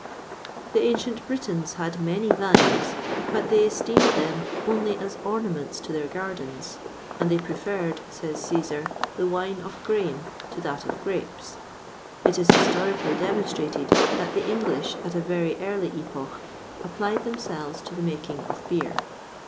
[XXVI 18] The ancient Britons had many vines, but they esteemed them only as ornaments to their gardens; and they preferred, says Cæsar, the wine of grain to that of grapes.[XXVI 19] It is historically demonstrated that the English, at a very early epoch, applied themselves to the making of beer.